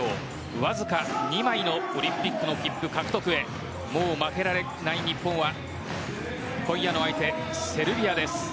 わずか２枚のオリンピックの切符獲得へもう負けられない日本は今夜の相手、セルビアです。